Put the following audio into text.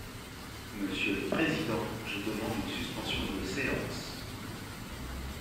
Monsieur le président, je demande une suspension de séance.